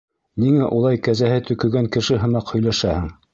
Ниңә улай кәзәһе төкөгән кеше һымаҡ һөйләшәһең?